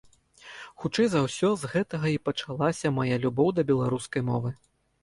Хутчэй за ўсё, з гэтага і пачалася мая любоў да беларускай мовы.